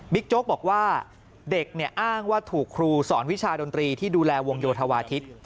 โจ๊กบอกว่าเด็กอ้างว่าถูกครูสอนวิชาดนตรีที่ดูแลวงโยธวาทิศ